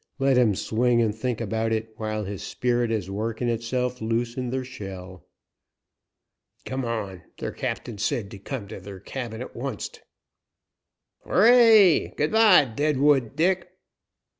"Let him swing and think about et while his speerit is workin' itself loose in ther shell." "Come on; ther captain said come to ther cabin at oncet." "Hooray! Good by, Deadwood Dick!"